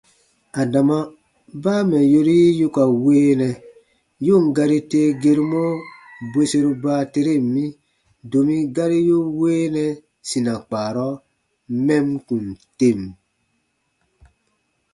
Adama baa mɛ̀ yori yi yu ka weenɛ, yu ǹ gari tee gerumɔ bweseru baateren mi, domi gari yu weenɛ sina kpaarɔ mɛm kùn tem.